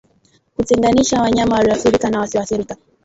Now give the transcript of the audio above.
Kutenganisha wanyama walioathirika na wasioathirika